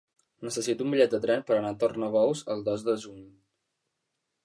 Necessito un bitllet de tren per anar a Tornabous el dos de juny.